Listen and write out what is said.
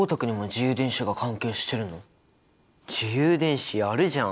自由電子やるじゃん！